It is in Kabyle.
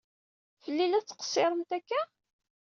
Fell-i i la tettqessiṛemt akka?